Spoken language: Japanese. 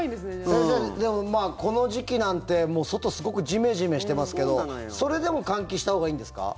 先生でも、この時期なんてもう外すごくジメジメしてますけどそれでも換気したほうがいいんですか？